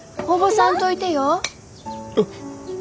こぼさんといてよ。